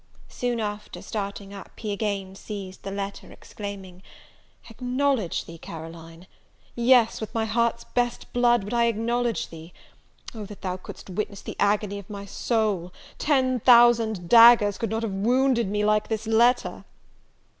Soon after, starting up, he again seized the letter, exclaiming, "Acknowledge thee, Caroline! yes, with my heart's best blood would I acknowledge thee! Oh that thou could'st witness the agony of my soul! Ten thousand daggers could not have wounded me like this letter!"